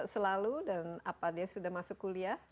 selalu dan apa dia sudah masuk kuliah